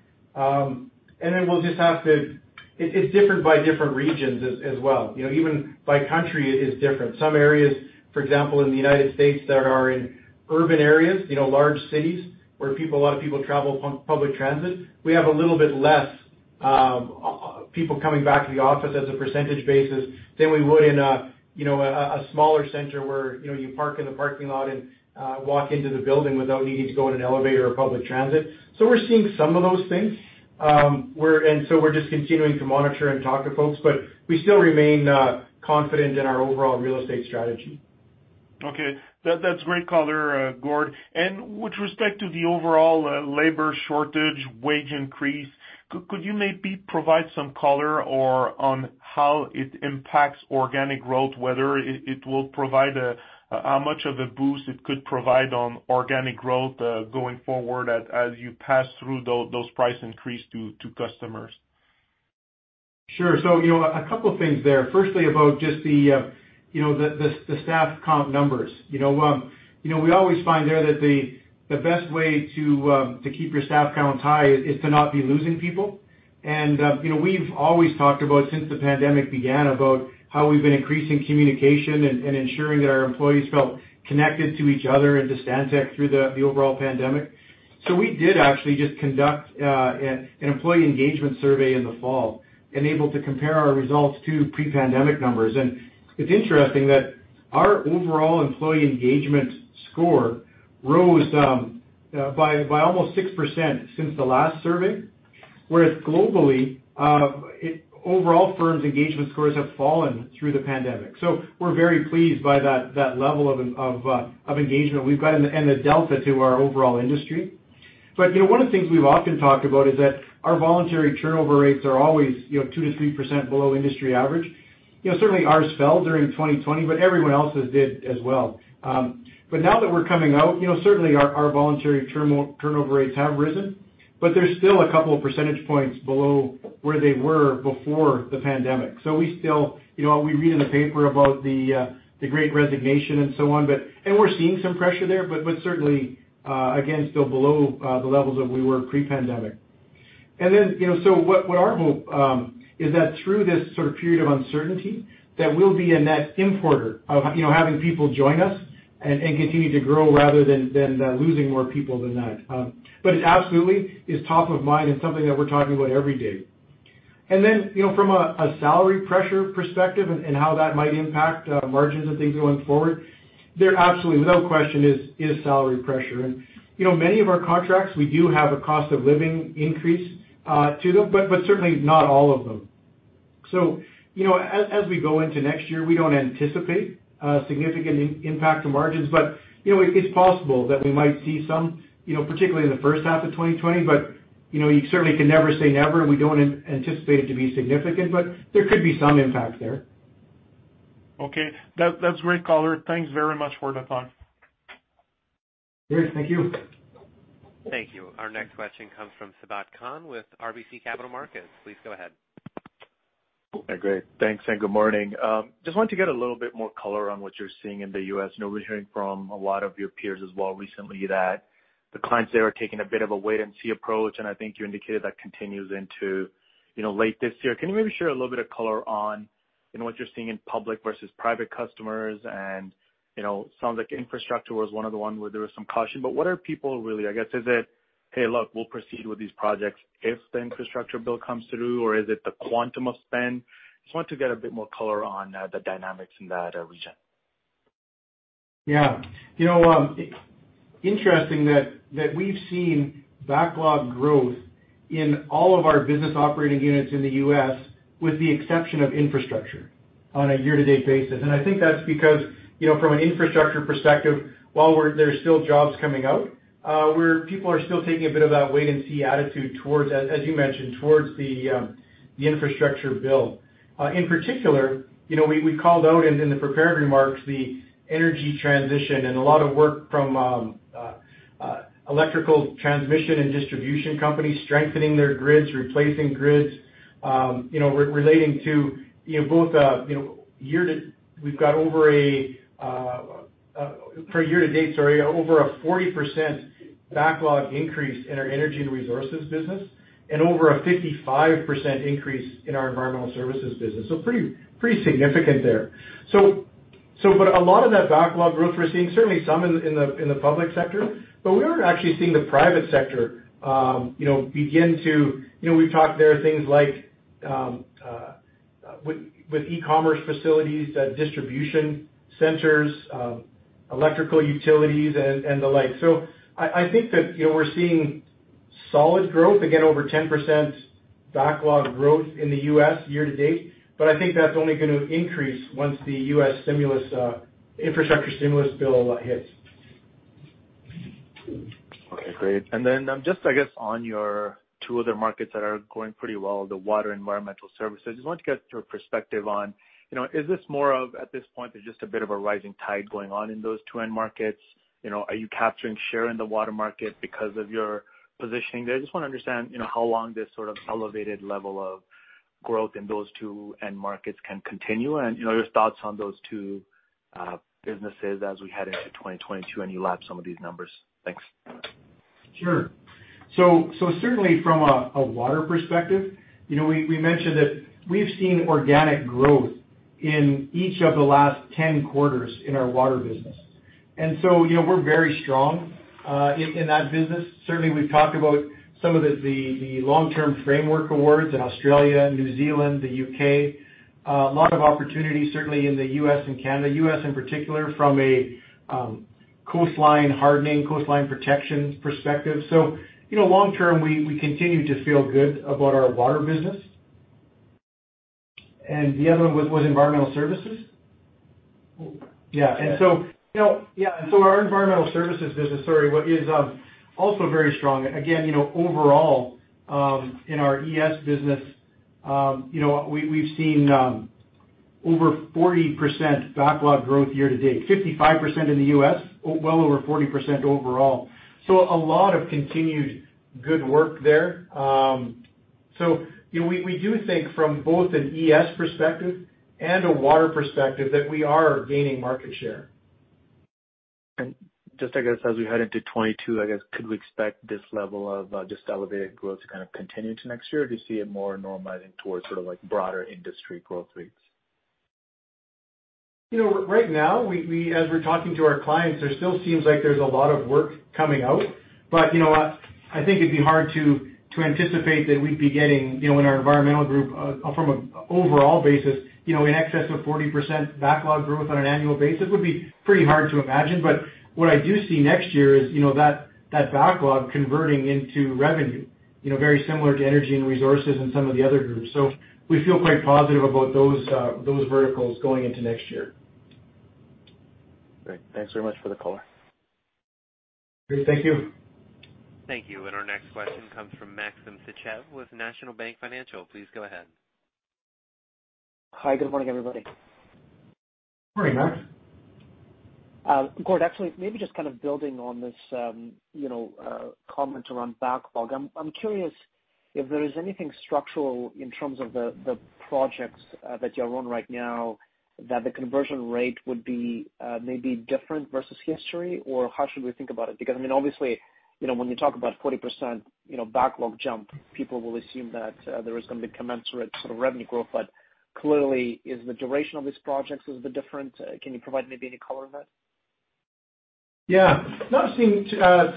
We'll just have to. It's different by different regions as well. You know, even by country it is different. Some areas, for example, in the United States that are in urban areas, you know, large cities where a lot of people travel on public transit, we have a little bit less people coming back to the office as a percentage basis than we would in a, you know, a smaller center where, you know, you park in the parking lot and walk into the building without needing to go in an elevator or public transit. We're seeing some of those things. We're just continuing to monitor and talk to folks, but we still remain confident in our overall real estate strategy. Okay. That's great color, Gord. With respect to the overall labor shortage, wage increases, could you maybe provide some color on how it impacts organic growth, how much of a boost it could provide on organic growth, going forward as you pass through those price increases to customers? Sure. You know, a couple things there. Firstly, about just the staff count numbers. You know, we always find there that the best way to keep your staff counts high is to not be losing people. We've always talked about, since the pandemic began, about how we've been increasing communication and ensuring that our employees felt connected to each other and to Stantec through the overall pandemic. We did actually just conduct an employee engagement survey in the fall and able to compare our results to pre-pandemic numbers. It's interesting that our overall employee engagement score rose by almost 6% since the last survey. Whereas globally, overall firms' engagement scores have fallen through the pandemic. We're very pleased by that level of engagement we've got and the delta to our overall industry. You know, one of the things we've often talked about is that our voluntary turnover rates are always 2%-3% below industry average. You know, certainly ours fell during 2020, but everyone else's did as well. Now that we're coming out, you know, certainly our voluntary turnover rates have risen, but they're still a couple of percentage points below where they were before the pandemic. We still, you know, read in the paper about the Great Resignation and so on, but we're seeing some pressure there, but certainly again still below the levels that we were pre-pandemic. Our hope is that through this sort of period of uncertainty, we'll be a net importer of having people join us and continue to grow rather than losing more people than that. It absolutely is top of mind and something that we're talking about every day. From a salary pressure perspective and how that might impact margins and things going forward, there is absolutely no question it is salary pressure. Many of our contracts, we do have a cost of living increase to them, but certainly not all of them. As we go into next year, we don't anticipate a significant impact to margins. You know, it's possible that we might see some, you know, particularly in the first half of 2020. You know, you certainly can never say never, and we don't anticipate it to be significant, but there could be some impact there. Okay. That's great color. Thanks very much for the time. Great. Thank you. Thank you. Our next question comes from Sabahat Khan with RBC Capital Markets. Please go ahead. Great. Thanks, and good morning. Just wanted to get a little bit more color on what you're seeing in the U.S. You know, we're hearing from a lot of your peers as well recently that the clients there are taking a bit of a wait and see approach, and I think you indicated that continues into, you know, late this year. Can you maybe share a little bit of color on, you know, what you're seeing in public versus private customers? And, you know, it sounds like infrastructure was one of the ones where there was some caution. But what are people really, I guess, is it, "Hey, look, we'll proceed with these projects if the infrastructure bill comes through," or is it the quantum of spend? Just want to get a bit more color on the dynamics in that region? Yeah. You know, interesting that we've seen backlog growth in all of our business operating units in the U.S., with the exception of infrastructure on a year-to-date basis. I think that's because, you know, from an infrastructure perspective, while there's still jobs coming out, people are still taking a bit of that wait-and-see attitude towards, as you mentioned, towards the infrastructure bill. In particular, you know, we called out in the prepared remarks the energy transition and a lot of work from electrical transmission and distribution companies strengthening their grids, replacing grids, you know, relating to, you know, both, you know, year to. We've got over a 40% backlog increase year to date in our energy and resources business and over a 55% increase in our environmental services business. Pretty significant there. But a lot of that backlog growth we're seeing, certainly some in the public sector, but we are actually seeing the private sector begin to. We've talked there are things like with e-commerce facilities, distribution centers, electrical utilities and the like. I think that we're seeing solid growth, again, over 10% backlog growth in the U.S. year to date, but I think that's only gonna increase once the U.S. stimulus infrastructure stimulus bill hits. Okay, great. Just I guess on your two other markets that are going pretty well, the water environmental services, just wanted to get your perspective on, you know, is this more of at this point, there's just a bit of a rising tide going on in those two end markets? You know, are you capturing share in the water market because of your positioning there? I just wanna understand, you know, how long this sort of elevated level of growth in those two end markets can continue and, you know, your thoughts on those two, businesses as we head into 2022 and you lap some of these numbers. Thanks. Sure. Certainly from a water perspective, you know, we mentioned that we've seen organic growth in each of the last 10 quarters in our water business. You know, we're very strong in that business. Certainly, we've talked about some of the long-term framework awards in Australia, New Zealand, the U.K. A lot of opportunities, certainly in the U.S. and Canada. U.S. in particular from a coastline hardening, coastline protection perspective. You know, long term, we continue to feel good about our water business. The other one was environmental services? Yeah. Our environmental services business is also very strong. Overall, in our ES business, we've seen over 40% backlog growth year to date. 55% in the U.S., well over 40% overall. A lot of continued good work there. We do think from both an ES perspective and a water perspective that we are gaining market share. Just, I guess as we head into 2022, I guess could we expect this level of just elevated growth to kind of continue to next year? Or do you see it more normalizing towards sort of like broader industry growth rates? You know, right now, we as we're talking to our clients, there still seems like there's a lot of work coming out. You know, I think it'd be hard to anticipate that we'd be getting, you know, in our environmental group, from an overall basis, you know, in excess of 40% backlog growth on an annual basis would be pretty hard to imagine. What I do see next year is, you know, that backlog converting into revenue. You know, very similar to energy and resources and some of the other groups. We feel quite positive about those verticals going into next year. Great. Thanks very much for the color. Great. Thank you. Thank you. Our next question comes from Maxim Sytchev with National Bank Financial. Please go ahead. Hi. Good morning, everybody. Morning, Max. Gord, actually, maybe just kind of building on this, you know, comment around backlog. I'm curious if there is anything structural in terms of the projects that you have on right now that the conversion rate would be maybe different versus history, or how should we think about it? Because, I mean, obviously, you know, when you talk about 40%, you know, backlog jump, people will assume that there is gonna be commensurate sort of revenue growth. But clearly, if the duration of these projects is different. Can you provide maybe any color on that? Yeah. Not seeing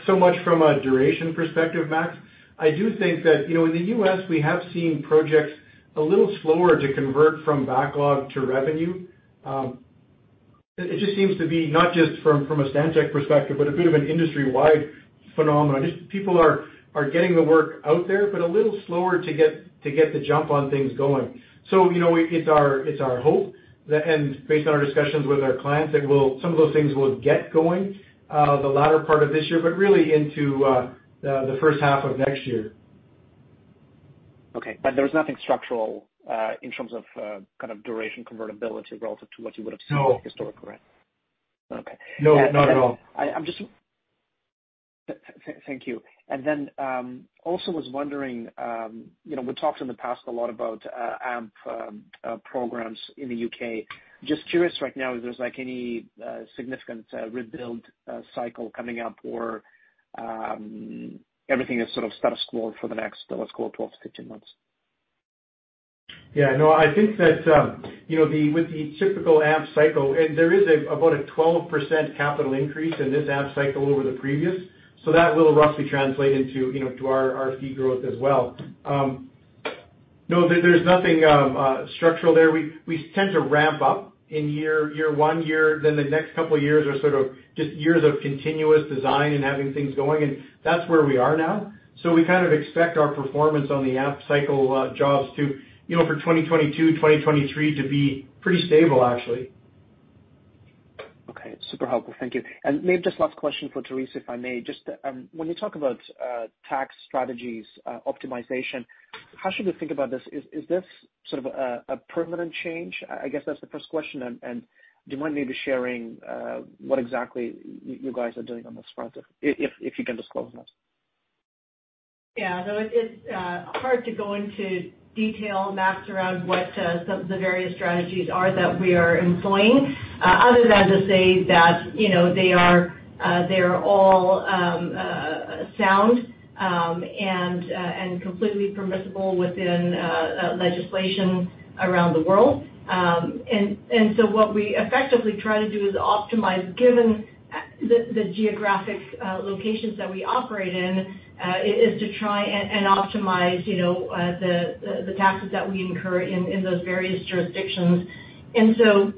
so much from a duration perspective, Max. I do think that, you know, in the U.S. we have seen projects a little slower to convert from backlog to revenue. It just seems to be not just from a Stantec perspective, but a bit of an industry-wide phenomenon. Just people are getting the work out there, but a little slower to get the jump on things going. You know, it's our hope that, and based on our discussions with our clients, that some of those things will get going the latter part of this year, but really into the first half of next year. Okay, there's nothing structural, in terms of, kind of duration convertibility relative to what you would have seen. No. Historically, right? Okay. No, not at all. Thank you. I was wondering, you know, we talked in the past a lot about AMP programs in the U.K. Just curious right now, if there's like any significant rebuild cycle coming up or everything is sort of status quo for the next, let's call it 12-15 months. Yeah. No, I think that, you know, with the typical AMP cycle, and there is about a 12% capital increase in this AMP cycle over the previous, so that will roughly translate into, you know, to our fee growth as well. No, there's nothing structural there. We tend to ramp up in year one, then the next couple of years are sort of just years of continuous design and having things going, and that's where we are now. We kind of expect our performance on the AMP cycle jobs to, you know, for 2022, 2023 to be pretty stable, actually. Okay. Super helpful. Thank you. Maybe just last question for Theresa, if I may. Just, when you talk about tax strategies optimization, how should we think about this? Is this sort of a permanent change? I guess that's the first question. Do you mind maybe sharing what exactly you guys are doing on this front, if you can disclose that? Yeah. No, it's hard to go into detail, Max, around what some of the various strategies are that we are employing, other than to say that, you know, they are, they're all sound and completely permissible within legislation around the world. What we effectively try to do is optimize given The geographic locations that we operate in is to try and optimize, you know, the taxes that we incur in those various jurisdictions. The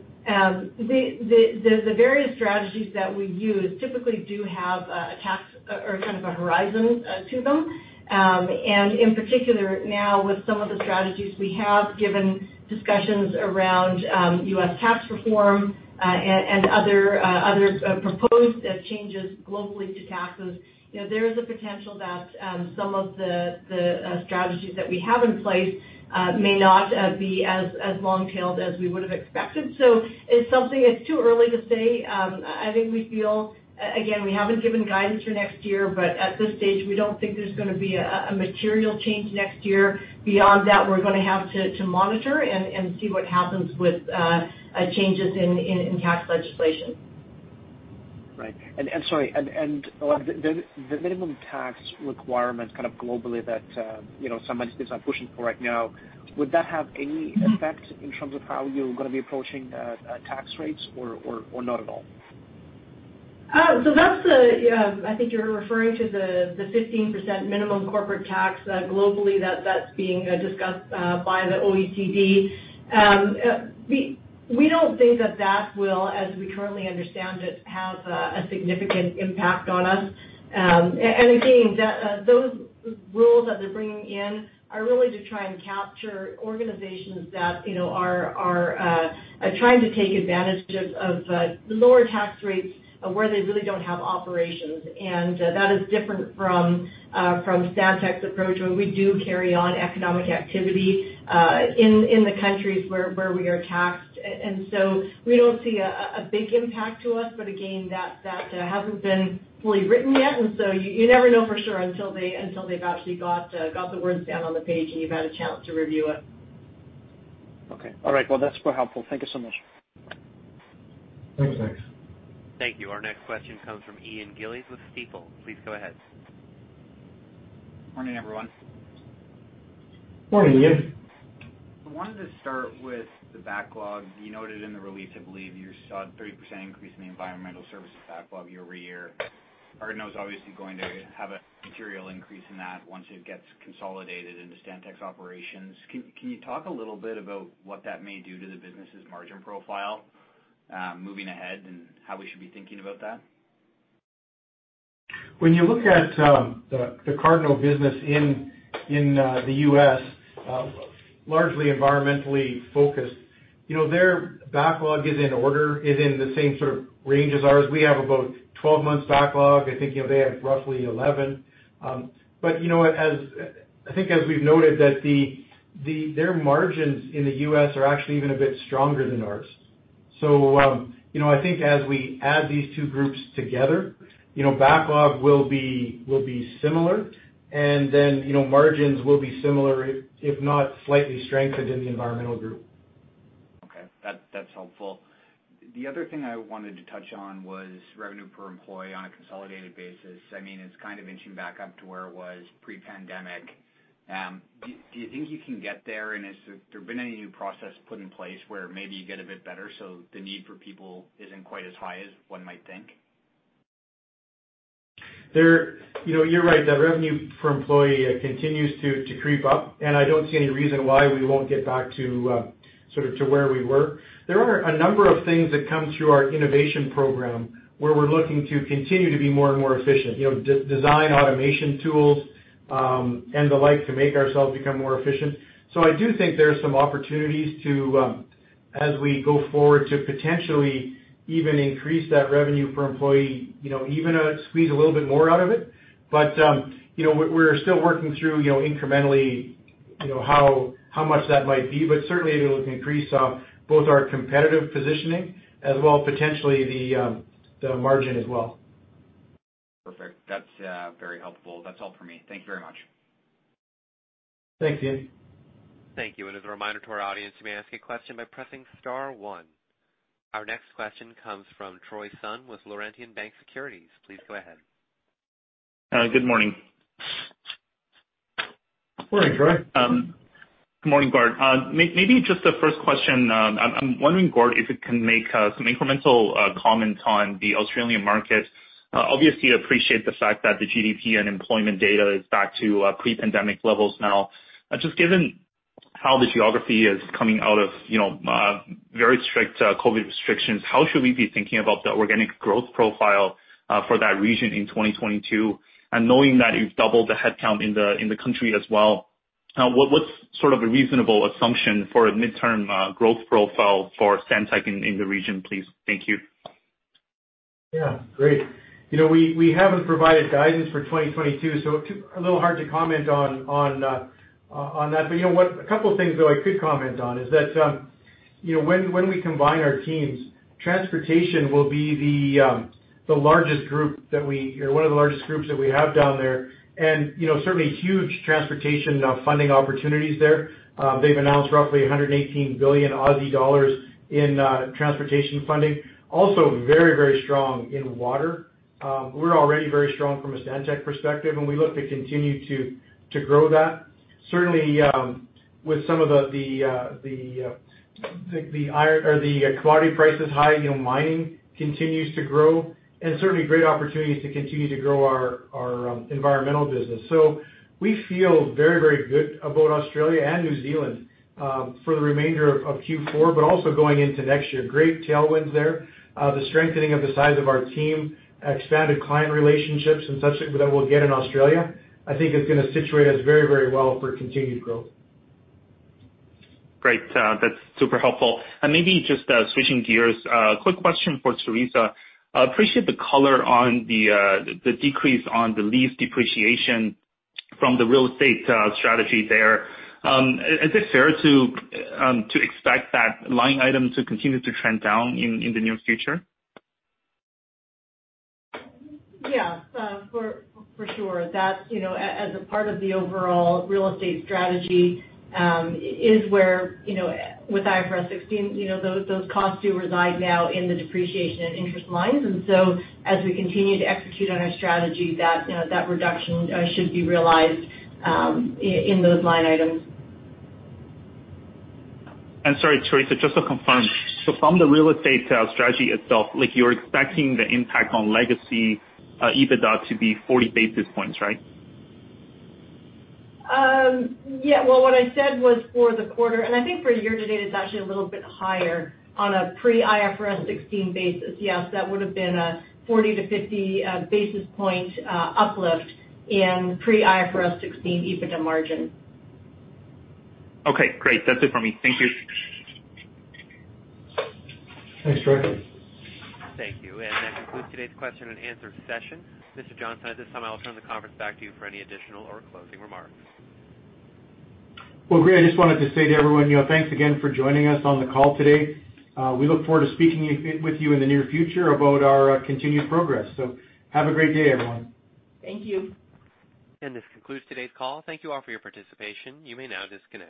various strategies that we use typically do have a tax or kind of a horizon to them. In particular now with some of the strategies we have, given discussions around U.S. tax reform and other proposed changes globally to taxes, you know, there is a potential that some of the strategies that we have in place may not be as long-tailed as we would have expected. It's something it's too early to say. I think we feel, again, we haven't given guidance for next year, but at this stage we don't think there's gonna be a material change next year. Beyond that, we're gonna have to monitor and see what happens with changes in tax legislation. Right. Sorry, like the minimum tax requirement kind of globally that, you know, some entities are pushing for right now, would that have any effect in terms of how you're gonna be approaching, tax rates or not at all? That's the, I think you're referring to the 15% minimum corporate tax globally, that's being discussed by the OECD. We don't think that will, as we currently understand it, have a significant impact on us. Those rules that they're bringing in are really to try and capture organizations that, you know, are trying to take advantage of lower tax rates where they really don't have operations. That is different from Stantec's approach, where we do carry on economic activity in the countries where we are taxed. We don't see a big impact to us, but again, that hasn't been fully written yet. You never know for sure until they've actually got the words down on the page, and you've had a chance to review it. Okay. All right, well, that's helpful. Thank you so much. Thanks. Thank you. Our next question comes from Ian Gillies with Stifel. Please go ahead. Morning, everyone. Morning, Ian. I wanted to start with the backlog. You noted in the release, I believe you saw 30% increase in the environmental services backlog year-over-year. Cardno is obviously going to have a material increase in that once it gets consolidated into Stantec's operations. Can you talk a little bit about what that may do to the business's margin profile, moving ahead and how we should be thinking about that? When you look at the Cardno business in the U.S., largely environmentally focused, you know, their backlog is in the same sort of range as ours. We have about 12 months backlog. I think, you know, they have roughly 11. But you know what? I think as we've noted that their margins in the U.S. are actually even a bit stronger than ours. So, you know, I think as we add these two groups together, you know, backlog will be similar. Then, you know, margins will be similar if not slightly strengthened in the environmental group. Okay. That's helpful. The other thing I wanted to touch on was revenue per employee on a consolidated basis. I mean, it's kind of inching back up to where it was pre-pandemic. Do you think you can get there? Has there been any new process put in place where maybe you get a bit better, so the need for people isn't quite as high as one might think? You know, you're right, the revenue per employee continues to creep up, and I don't see any reason why we won't get back to sort of where we were. There are a number of things that come through our innovation program, where we're looking to continue to be more and more efficient. You know, design automation tools and the like to make ourselves become more efficient. I do think there are some opportunities to, as we go forward, to potentially even increase that revenue per employee, you know, even squeeze a little bit more out of it. You know, we're still working through incrementally how much that might be, but certainly it'll increase both our competitive positioning as well as potentially the margin as well. Perfect. That's very helpful. That's all for me. Thank you very much. Thanks, Ian. Thank you. As a reminder to our audience, you may ask a question by pressing star one. Our next question comes from Troy Sun with Laurentian Bank Securities. Please go ahead. Good morning. Morning, Troy. Good morning, Gord. Maybe just the first question. I'm wondering, Gord, if you can make some incremental comments on the Australian market. Obviously appreciate the fact that the GDP and employment data is back to pre-pandemic levels now. Just given how the geography is coming out of, you know, very strict COVID restrictions, how should we be thinking about the organic growth profile for that region in 2022? Knowing that you've doubled the headcount in the country as well, what's sort of a reasonable assumption for a midterm growth profile for Stantec in the region, please? Thank you. Yeah. Great. You know, we haven't provided guidance for 2022, so it's a little hard to comment on that. You know, a couple things that I could comment on is that, you know, when we combine our teams, transportation will be the largest group or one of the largest groups that we have down there. You know, certainly huge transportation funding opportunities there. They've announced roughly 118 billion Aussie dollars in transportation funding. Also very, very strong in water. We're already very strong from a Stantec perspective, and we look to continue to grow that. Certainly, with some of the commodity prices high, you know, mining continues to grow and certainly great opportunities to continue to grow our environmental business. We feel very, very good about Australia and New Zealand for the remainder of Q4 but also going into next year. Great tailwinds there. The strengthening of the size of our team, expanded client relationships and such that we'll get in Australia, I think is gonna situate us very, very well for continued growth. Great. That's super helpful. Maybe just switching gears, quick question for Theresa. Appreciate the color on the decrease on the lease depreciation from the real estate strategy there. Is it fair to expect that line item to continue to trend down in the near future? Yeah. For sure. That's as a part of the overall real estate strategy is where with IFRS 16 those costs do reside now in the depreciation and interest lines. As we continue to execute on our strategy, that reduction should be realized in those line items. Sorry, Theresa, just to confirm. From the real estate strategy itself, like you're expecting the impact on legacy EBITDA to be 40 basis points, right? Yeah. Well, what I said was for the quarter, and I think for year-to-date, it's actually a little bit higher on a pre-IFRS 16 basis. Yes, that would have been a 40-50 basis point uplift in pre-IFRS 16 EBITDA margin. Okay, great. That's it for me. Thank you. *inaudible* Thank you. That concludes today's question and answer session. Mr. Gord, at this time I will turn the conference back to you for any additional or closing remarks. Well, great. I just wanted to say to everyone, you know, thanks again for joining us on the call today. We look forward to speaking with you in the near future about our continued progress. Have a great day, everyone. Thank you. This concludes today's call. Thank you all for your participation. You may now disconnect.